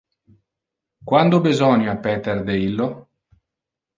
Quando besonia Peter de illo?